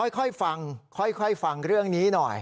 ค่อยฟังค่อยฟังเรื่องนี้หน่อย